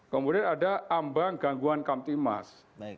kemudian ada ambang gangguan kampti emas